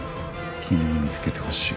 君に見つけてほしい。